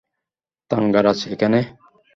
থাঙ্গারাজ, এখানে।